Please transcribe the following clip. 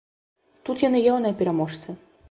Тут яны яўныя пераможцы.